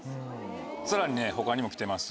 さらに他にも来てます。